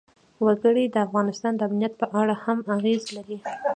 وګړي د افغانستان د امنیت په اړه هم اغېز لري.